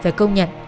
phải công nhận